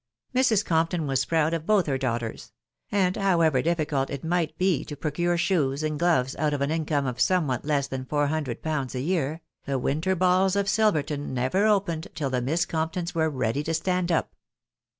Mrs. Compton was proud of both her daughters ; and how ever difficult it might be to procure shoes and gloves out of an income of somewhat less than four hundred pounds a year, the winter balls of Silverton never opened till the Miss Comp tons were ready to stand up.